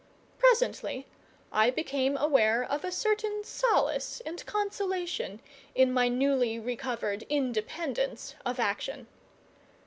Presently I became aware of a certain solace and consolation in my newly recovered independence of action.